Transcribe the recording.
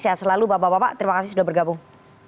sehat selalu bapak bapak terima kasih sudah bergabung